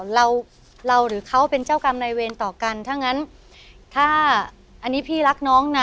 เราเราหรือเขาเป็นเจ้ากรรมนายเวรต่อกันถ้างั้นถ้าอันนี้พี่รักน้องนะ